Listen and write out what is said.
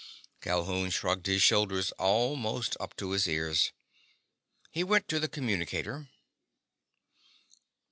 Calhoun shrugged his shoulders almost up to his ears. He went to the communicator.